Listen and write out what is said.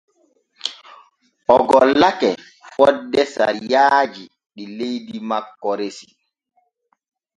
O gollake fonde sariyaaji ɗi leydi makko resi.